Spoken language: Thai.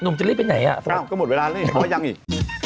นุ่มจะเล็กไปไหนอ่ะโฟร์อ้าวก็หมดเวลาแล้วนี่พอจังอีก